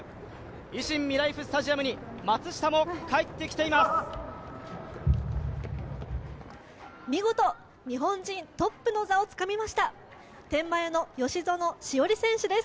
維新みらいふスタジアムに松下も帰ってきています。